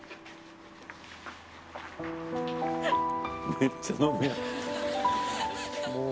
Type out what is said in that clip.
めっちゃ飲むやんもう。